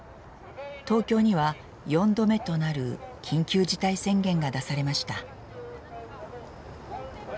東京には４度目となる緊急事態宣言が出されました。